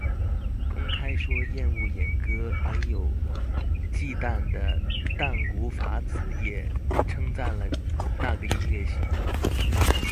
公开说厌恶演歌没有忌惮的淡谷法子也称赞了那个音乐性。